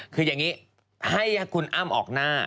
คืออย่างนี้ให้คุณอ้ำออกหน้า